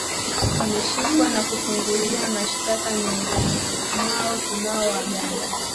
wameshikwa na kufungulia mashitaka miongoni mwao tunao waganda